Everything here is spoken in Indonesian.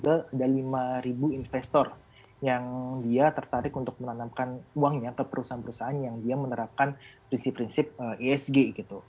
ada lima ribu investor yang dia tertarik untuk menanamkan uangnya ke perusahaan perusahaan yang dia menerapkan prinsip prinsip isg gitu